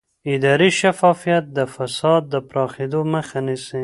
اداري شفافیت د فساد د پراخېدو مخه نیسي